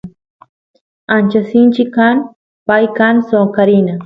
ancha sinchi kan pay kan soqarina